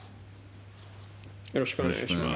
よろしくお願いします。